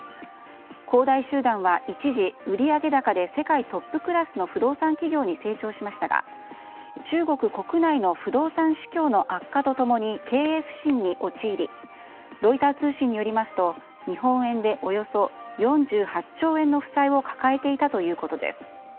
恒大集団は一時、売上高で世界トップクラスの不動産企業に成長しましたが中国国内の不動産市況の悪化と共に経営不振に陥りロイター通信によりますと日本円でおよそ４８兆円の負債を抱えていたということです。